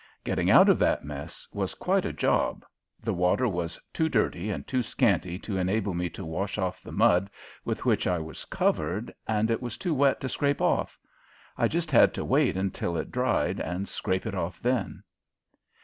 Getting out of that mess was quite a job. The water was too dirty and too scanty to enable me to wash off the mud with which I was covered and it was too wet to scrape off. I just had to wait until it dried and scrape it off then.